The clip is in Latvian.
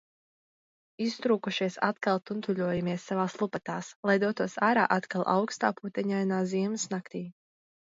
Iztrūkušies atkal tuntuļojamies savās lupatās, lai dotos ārā atkal aukstā puteņainā ziemas naktī.